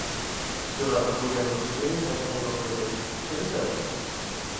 بىراق بۇ يەرنىڭ سۈتلىرى ھەم قايماقلىرى خېلى سەرخىل.